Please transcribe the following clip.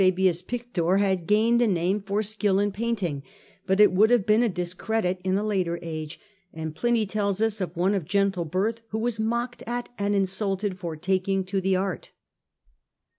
Fabius Pictor had gained a name for skill in paint ing, but it would have been a discredit in a later age ; and Pliny tells us of one of gentle birth who was mocked at and insulted for taking to the art.